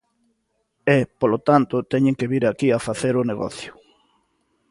E, polo tanto, teñen que vir aquí a facer o negocio.